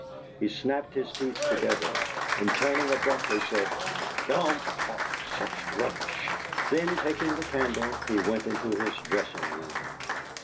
He snapped his teeth together, and turning abruptly, said: "Don't talk such rubbish!" Then, taking the candle, he went into his dressing room.